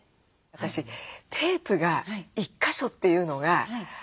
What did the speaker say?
私テープが１か所っていうのが。